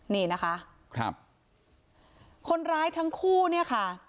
นี่นะคะครับคนร้ายทั้งคู่เนี่ยค่ะ